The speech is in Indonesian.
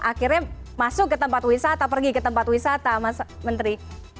akhirnya masuk ke tempat wisata pergi ke tempat wisata mas menteri